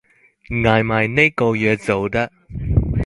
捱埋呢個月就得